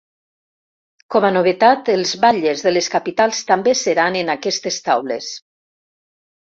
Com a novetat, els batlles de les capitals també seran en aquestes taules.